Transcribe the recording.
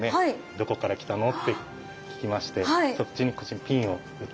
「どこから来たの？」って聞きましてこっちにピンを打って頂く。